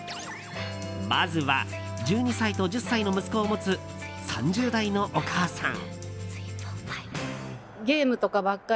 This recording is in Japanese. まずは１２歳と１０歳の息子を持つ３０代のお母さん。